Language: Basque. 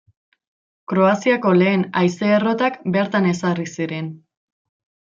Kroaziako lehen haize-errotak bertan ezarri ziren.